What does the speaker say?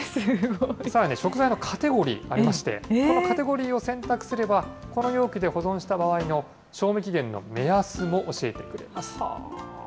さらに食材のカテゴリーもありまして、このカテゴリーを選択すれば、この容器で保存した場合の賞味期限の目安も教えてくれます。